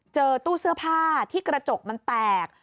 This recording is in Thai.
ตู้เสื้อผ้าที่กระจกมันแตก